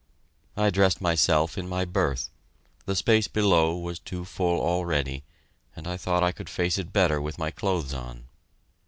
I dressed myself in my berth the space below was too full already, and I thought I could face it better with my clothes on.